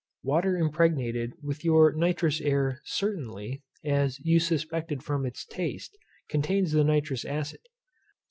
Water impregnated with your nitrous air certainly, as you suspected from it's taste, contains the nitrous acid.